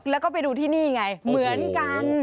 แล้วก็ไปดูที่นี่ไงเหมือนกัน